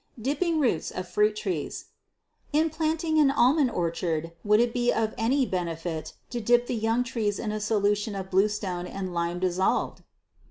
Dipping Roots of Fruit Trees. In planting an almond orchard would it be of any benefit to dip the young trees in a solution of bluestone and lime dissolved?